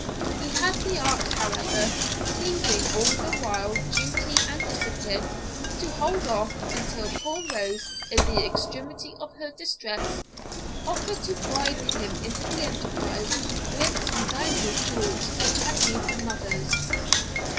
He had the art, however, pleading all the while duty and discipline, to hold off, until poor Rose, in the extremity of her distress, offered to bribe him to the enterprise with some valuable jewels which had been her mother's.